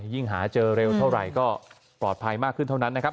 หาเจอเร็วเท่าไหร่ก็ปลอดภัยมากขึ้นเท่านั้นนะครับ